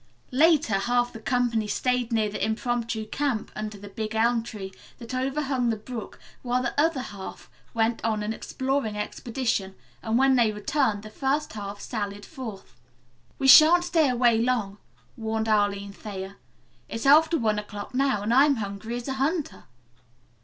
Later half the company stayed near their impromptu camp under the big elm tree that overhung the brook while the other half went on an exploring expedition, and when they returned the first half sallied forth. "We shan't stay away long," warned Arline Thayer. "It's after one o'clock now, and I'm hungry as a hunter."